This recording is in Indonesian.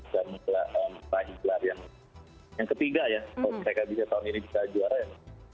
yang ketiga ya kalau mereka tahun ini bisa juara ya